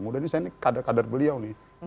mudah mudahan ini kader kader beliau nih